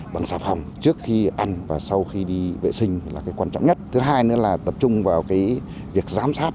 bằng xà phòng trước khi ăn và sau khi đi vệ sinh là cái quan trọng nhất thứ hai nữa là tập trung vào cái việc giám sát